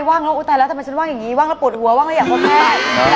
ว่างแล้วอุ๊ตายแล้วทำไมฉันว่าอย่างนี้ว่างแล้วปวดหัวว่างก็อยากร้องไห้